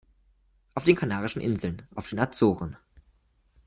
Auf den Kanarischen Inseln, auf den Azoren.